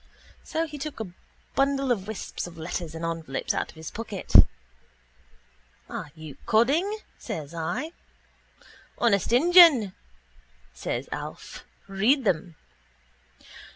So he took a bundle of wisps of letters and envelopes out of his pocket. —Are you codding? says I. —Honest injun, says Alf. Read them.